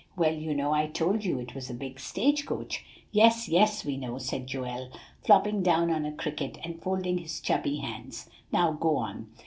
"Well, you know I told you it was a big stage coach." "Yes, yes, we know," said Joel, flopping down on a cricket, and folding his chubby hands. "Now go on."